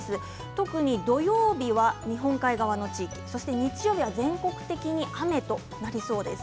特に土曜日は日本海側の地域全国的に雨となりそうです。